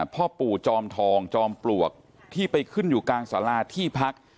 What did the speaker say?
พ่อปู่จอมทองจอมปลวกที่ไปขึ้นอยู่กลางสาราที่พัก